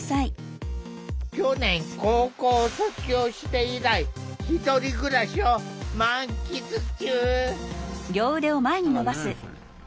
去年高校を卒業して以来１人暮らしを満喫中。